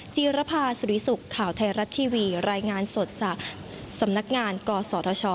จีรภาสุริสุขข่าวไทยรัฐทีวีรายงานสดจากสำนักงานกศธช